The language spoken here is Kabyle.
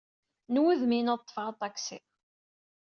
N wudem-inu ad ḍḍfeɣ aṭaksi.